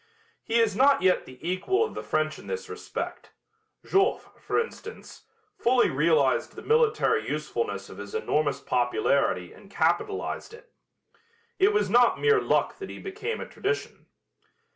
He is not yet the equal of the French in this respect. Joffre, for instance, fully realized the military usefulness of his enormous popularity and capitalized it. It was not mere luck that he became a tradition.